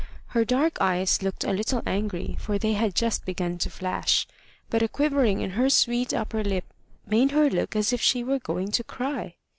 Her dark eyes looked a little angry, for they had just begun to flash; but a quivering in her sweet upper lip made her look as if she were going to cry.